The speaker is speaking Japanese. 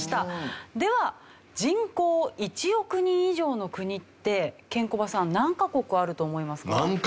では人口１億人以上の国ってケンコバさん何カ国あると思いますか？